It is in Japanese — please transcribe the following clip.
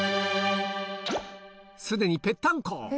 すでにぺったんこ。